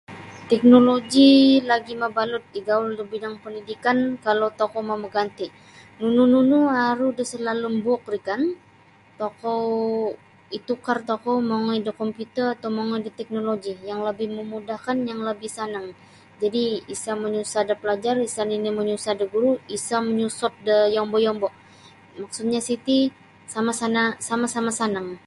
Teknologi lagi mabalut igaul da bidang pendidikan kalau tokou mamaganti nunu-nunu aru da salalum buuk ni kan tokou itukar tokou mongoi da komputer atau mongoi da teknologi yang labih mamudahkan yang labih sanang jadi isa manyusah da pelajar isa nini manyusah da guru isa manyusot da yombo-yombo maksudnyo siti sama sana sama-sama sanang.